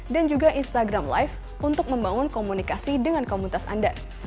dan juga instagram live untuk membangun komunikasi dengan komunitas anda